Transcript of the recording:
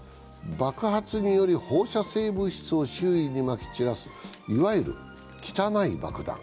爆発により放射性物質を周囲にまき散らすいわゆる汚い爆弾。